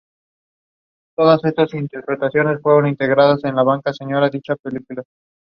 Other packets are routed back to correct networks.